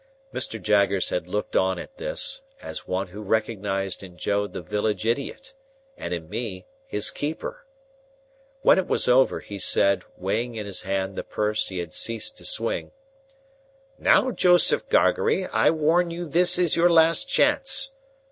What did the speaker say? Mr. Jaggers had looked on at this, as one who recognised in Joe the village idiot, and in me his keeper. When it was over, he said, weighing in his hand the purse he had ceased to swing:— "Now, Joseph Gargery, I warn you this is your last chance.